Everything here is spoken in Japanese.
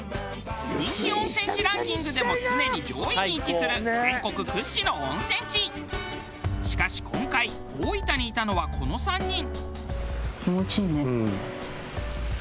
人気温泉地ランキングでも常に上位に位置するしかし今回大分にいたのはこの３人。